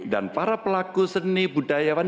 dan para pelaku seni budayawan